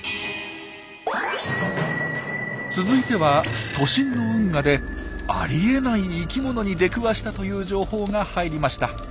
続いては都心の運河でありえない生きものに出くわしたという情報が入りました。